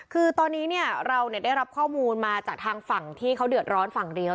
คือตอนนี้เราได้รับข้อมูลมาจากทางฝั่งที่เขาเดือดร้อนฝั่งเดียว